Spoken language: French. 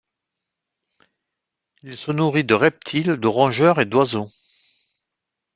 Il se nourrit de reptiles, de rongeurs et d'oiseaux.